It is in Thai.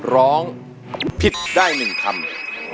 ร้องผิดได้๑คำ